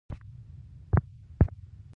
د وېښتیانو نرموالی ښکلا زیاتوي.